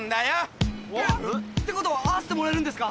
えっ？ってことは会わせてもらえるんですか？